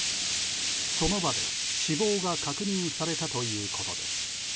その場で死亡が確認されたということです。